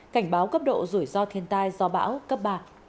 cảnh báo cấp độ rủi ro thiên tai do bão cấp ba